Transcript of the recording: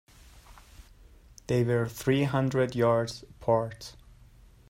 They were three hundred yards apart.